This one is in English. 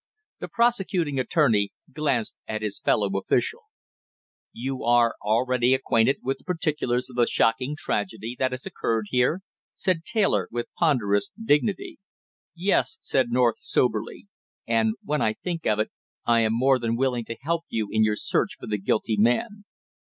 The prosecuting attorney glanced at his fellow official. "You are already acquainted with the particulars of the shocking tragedy that has occurred here?" said Taylor with ponderous dignity. "Yes," said North soberly. "And when I think of it, I am more than willing to help you in your search for the guilty man."